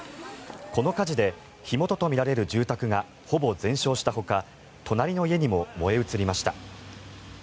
この火事で火元とみられる住宅がほぼ全焼したほか隣の家にも燃え移りました。